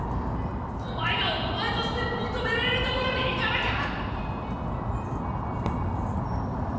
お前がお前として認められる所に行かなきゃ。